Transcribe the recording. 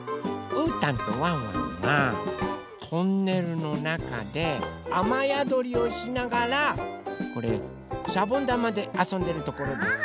うーたんとワンワンがトンネルのなかであまやどりをしながらこれしゃぼんだまであそんでるところです。